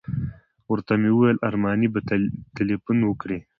ورته ومې ویل ارماني به تیلفون وکړي.